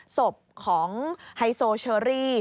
ศพของไฮโซเชอรี่